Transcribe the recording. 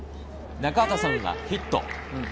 中畑さんはヒット。